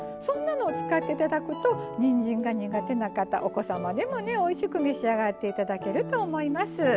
そんなのを使って頂くとにんじんが苦手な方お子様でもねおいしく召し上がって頂けると思います。